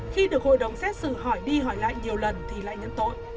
khi được hội đồng xét xử hỏi đi hỏi lại nhiều lần thì lại nhận tội